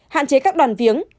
hạn chế các đoàn viếng